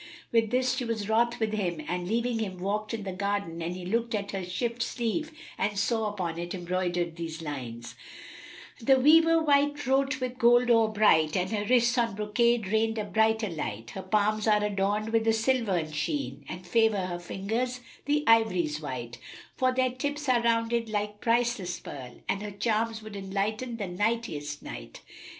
With this she was wroth with him and leaving him, walked in the garden, and he looked at her shift sleeve and saw upon it embroidered these lines, "The weaver wight wrote with gold ore bright * And her wrists on brocade rained a brighter light: Her palms are adorned with a silvern sheen; * And favour her fingers the ivory's white: For their tips are rounded like priceless pearl; * And her charms would enlighten the nightiest night."